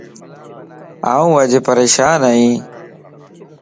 آن اڄ پريشان ائي